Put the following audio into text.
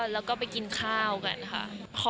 แล้วก็ไปกินข้าวกันค่ะ